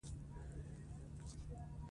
دا کتاب د ځان مرستې په برخه کې ګڼل کیږي.